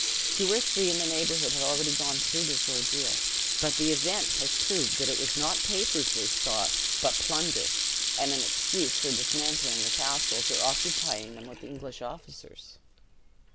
Two or three, in the neighborhood have already gone through this ordeal; but the even has proved that it was not papers they sought, but plunder, and an excuse for dismantling the castles, or occupying them with English officers.